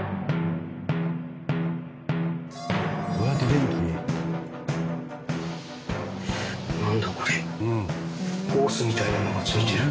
ホースみたいなのがついてる。